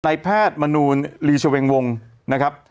แพทย์มนูลลีชเวงวงนะครับ